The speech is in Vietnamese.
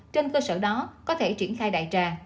trên cơ sở đó có thể triển khai đại trà